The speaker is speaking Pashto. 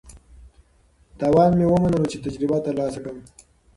تاوان مې ومنلو چې تجربه ترلاسه کړم.